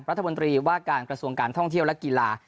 รัฐมนตรีว่าการกระทรวงการท่องเที่ยวและกีฬา